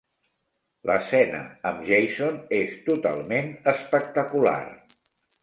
L'escena amb Jason és totalment espectacular.